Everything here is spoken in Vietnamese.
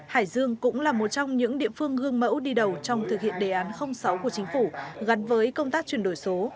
hải dương cũng là một trong những địa phương gương mẫu đi đầu trong thực hiện đề án sáu của chính phủ gắn với công tác chuyển đổi số